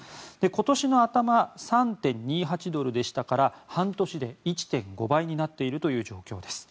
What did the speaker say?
今年の頭３．２８ドルでしたから半年で１．５倍になっているという状況です。